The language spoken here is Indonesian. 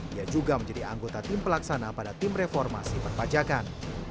ia juga menjadi anggota tim pelaksana pada tim reformasi perpajakan